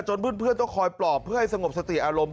เพื่อนต้องคอยปลอบเพื่อให้สงบสติอารมณ์